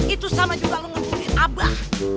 itu sama juga lu nganjurin abah